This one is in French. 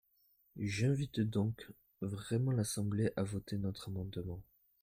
J’invite donc vraiment l’Assemblée à voter notre amendement.